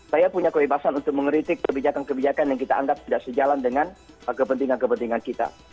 saya punya kebebasan untuk mengeritik kebijakan kebijakan yang kita anggap tidak sejalan dengan kepentingan kepentingan kita